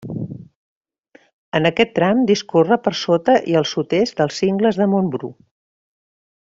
En aquest tram discorre per sota i al sud-est dels Cingles de Montbrú.